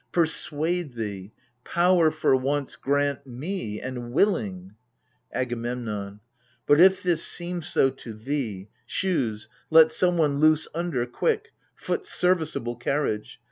Persuade thee ! power, for once, grant me — and willing ! AGAMEMNON. But if this seem so to thee — shoes, let someone I.oose under, quick — foot's serviceable carriage